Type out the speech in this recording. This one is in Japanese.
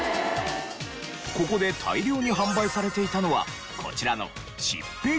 ここで大量に販売されていたのはこちらの何？